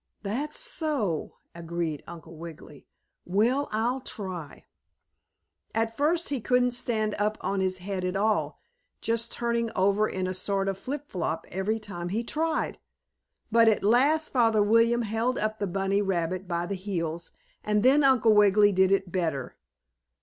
"That's so," agreed Uncle Wiggily. "Well, I'll try." At first he couldn't stand up on his head at all, just turning over in a sort of flip flop every time he tried. But at last Father William held up the bunny rabbit by the heels, and then Uncle Wiggily did it better.